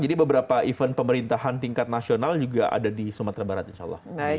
jadi beberapa event pemerintahan tingkat nasional juga ada di sumatera barat insya allah